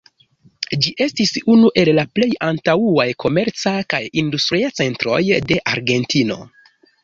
Ĝi estis unu el la plej antaŭaj komerca kaj industria centroj de Argentino.